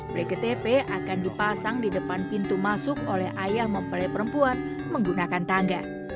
bktp akan dipasang di depan pintu masuk oleh ayah mempelai perempuan menggunakan tangga